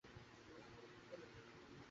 মেয়ে হোমায়রাও অনেক দিন ধরে অসুস্থ।